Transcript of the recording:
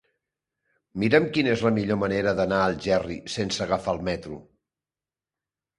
Mira'm quina és la millor manera d'anar a Algerri sense agafar el metro.